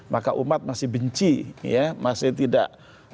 maka umat masih benci ya masih tidak